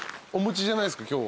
お持ちじゃないすか？